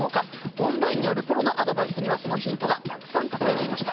オンラインによるプロのアドバイスにはそのヒントがたくさん隠れていました。